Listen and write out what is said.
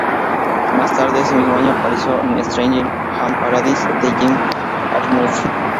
Más tarde, ese mismo año, apareció en "Stranger Than Paradise" de Jim Jarmusch.